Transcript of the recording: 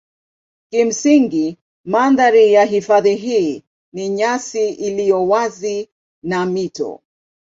Kimsingi mandhari ya hifadhi hii ni nyasi iliyo wazi na mito.